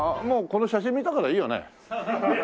もうこの写真見たからいいよね？